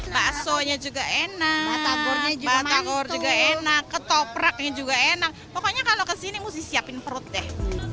baksonya juga enak batagor juga enak ketopraknya juga enak pokoknya kalau kesini mesti siapin perut deh